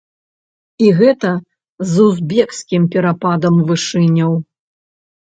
І гэта з узбекскім перападам вышыняў!